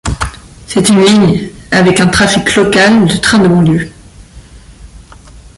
C'est une ligne avec un trafic local de trains de banlieue.